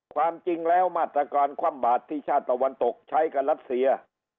ความจริงแล้วมาตรการคว่ำบาดที่ชาติตะวันตกใช้กับรัสเซีย